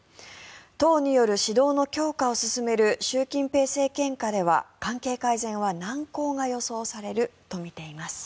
党による指導の強化を進める習近平政権下では関係改善は難航が予想されるとみています。